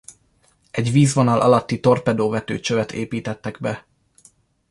Egy vízvonal alatti torpedóvető csövet építettek be.